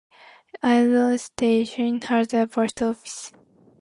Iron Station has a Post Office.